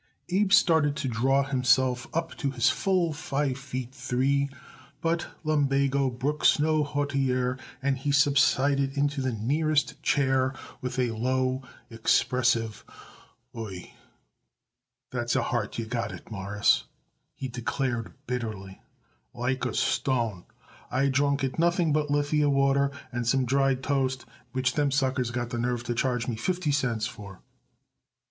Abe started to draw himself up to his full five feet three, but lumbago brooks no hauteur, and he subsided into the nearest chair with a low, expressive "Oo ee!" "That's a heart you got it, Mawruss," he declared bitterly, "like a stone. I drunk it nothing but lithia water and some dry toast, which them suckers got the nerve to charge me fifty cents for."